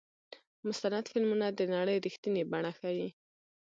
مستند فلمونه د نړۍ رښتینې بڼه ښيي.